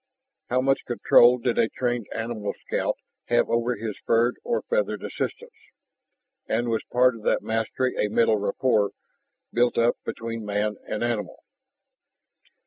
How much control did a trained animal scout have over his furred or feathered assistants? And was part of that mastery a mental rapport built up between man and animal?